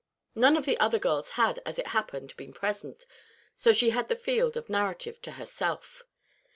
None of the other girls had, as it happened, been present; so she had the field of narrative to herself.